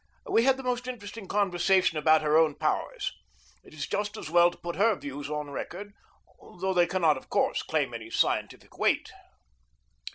We had the most interesting conversation about her own powers. It is just as well to put her views on record, though they cannot, of course, claim any scientific weight.